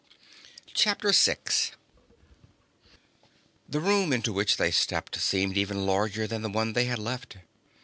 CHAPTER SIX The room into which they stepped seemed even larger than the one they had left.